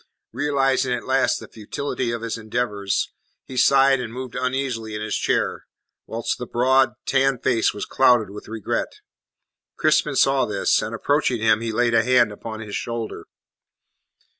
Realizing at last the futility of his endeavours, he sighed and moved uneasily in his chair, whilst the broad, tanned face was clouded with regret. Crispin saw this, and approaching him, he laid a hand upon his shoulder.